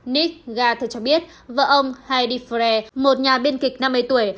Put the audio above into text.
nick garth cho biết vợ ông heidi frey một nhà biên kịch năm mươi tuổi